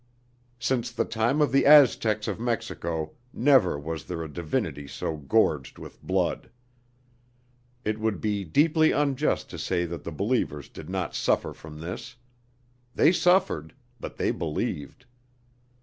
Since the time of the Aztecs of Mexico never was there a divinity so gorged with blood. It would be deeply unjust to say that the believers did not suffer from this. They suffered, but they believed.